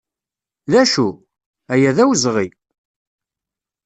D acu? Aya d awezɣi!